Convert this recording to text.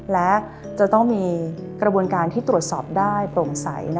และจะต้องมีกระบวนการที่ตรวจสอบได้โปร่งใส